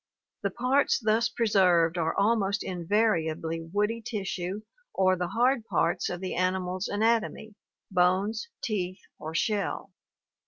The parts thus preserved are almost invariably woody tissue or the hard parts of the animal's anatomy — bones, teeth, or shell.